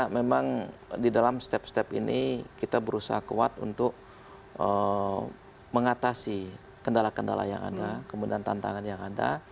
jadi ini kita berusaha kuat untuk mengatasi kendala kendala yang ada kemudian tantangan yang ada